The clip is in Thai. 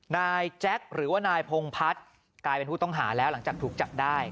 นายแจ็คหรือว่านายพงพัฒน์กลายเป็นผู้ต้องหาแล้วหลังจากถูกจับได้